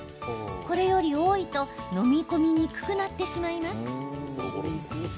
これより多いと飲み込みにくくなってしまいます。